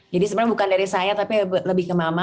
jadi sebenarnya bukan dari saya tapi lebih ke mama